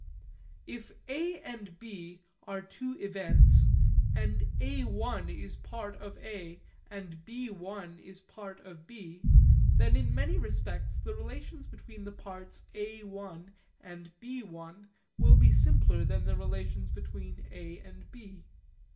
If A and B are two events, and A′ is part of A and B′ is part of B, then in many respects the relations between the parts A′ and B′ will be simpler than the relations between A and B.